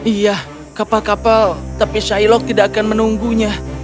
ya kapal kapal tapi shiloh tidak akan menunggunya